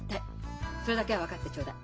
それだけは分かってちょうだい。